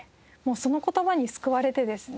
その言葉に救われてですね